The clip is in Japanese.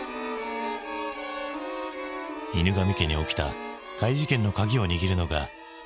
犬神家に起きた怪事件の鍵を握るのが佐清。